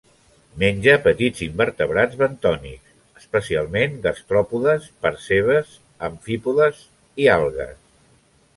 Menja petits invertebrats bentònics, especialment gastròpodes, percebes, amfípodes i algues.